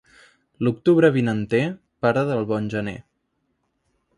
L'octubre vinater, pare del bon gener.